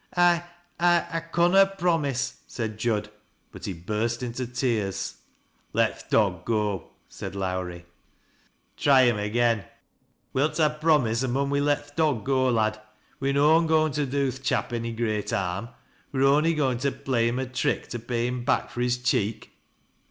" I — 1 conna promise," said Jud ; but he burst into teais. " Let th' dog go," said Lowrie. " Try him again. Wilt ta promise, or mun we let th' dog go, lad ? We're noan goin' to do th' chap ony great harm ; we're on'y goin' to play him a trick to pay him back fur his cheek.'